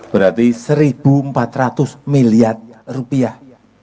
berarti satu empat ratus miliar rupiah